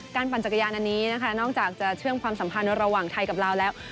ปั่นจักรยานอันนี้นะคะนอกจากจะเชื่อมความสัมพันธ์ระหว่างไทยกับลาวแล้ว